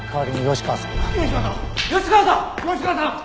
吉川さん！